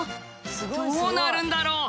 どうなるんだろう？